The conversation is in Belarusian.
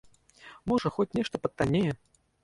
Можа, хоць нешта патаннее?